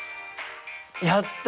やった！